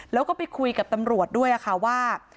แล้วก็ไปคุยกับตำรวจด้วยค่ะว่า